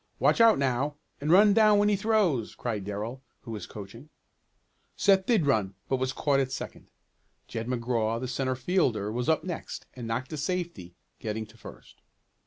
"Watch out now, and run down when he throws!" cried Darrell, who was coaching. Seth did run, but was caught at second. Jed McGraw, the centre fielder, was next up and knocked a safety, getting to first.